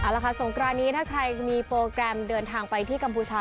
เอาละค่ะสงกรานนี้ถ้าใครมีโปรแกรมเดินทางไปที่กัมพูชา